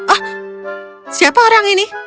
oh siapa orang ini